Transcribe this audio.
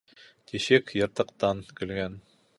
Тишек йыртыҡтан көлгән.